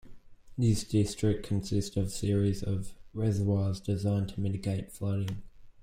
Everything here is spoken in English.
This district consists of a series of reservoirs designed to mitigate flooding.